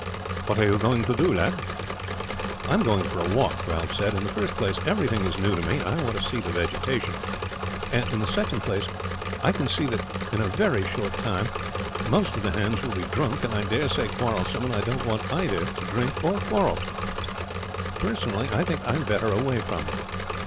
"What are you going to do, lad?" "I am going for a walk," Ralph said. "In the first place everything is new to me and I want to see the vegetation; and in the second place I can see that in a very short time most of the hands will be drunk, and I dare say quarrelsome, and I don't want either to drink or quarrel. I think I am better away from them."